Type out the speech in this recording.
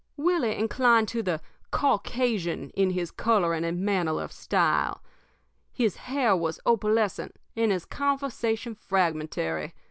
"Willie inclined to the Caucasian in his coloring and manner of style. His hair was opalescent and his conversation fragmentary.